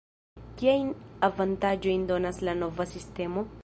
Kiajn avantaĝojn donas la nova sistemo?